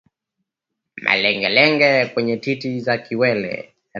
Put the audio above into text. Malengelenge kwenye titi za kiwele